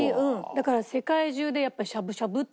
だから世界中でやっぱりしゃぶしゃぶって。